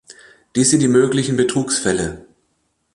Dies sind die möglichen Betrugsfälle.